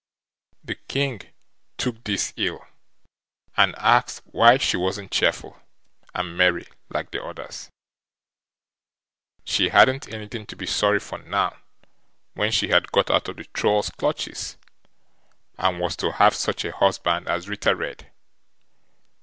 The King took this ill, and asked why she wasn't cheerful and merry like the others; she hadn't anything to be sorry for now when she had got out of the Troll's clutches, and was to have such a husband as Ritter Red.